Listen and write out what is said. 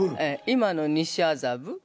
今の西麻布。